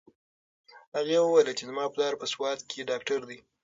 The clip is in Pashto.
هغې وویل چې زما پلار په سوات کې ډاکټر دی.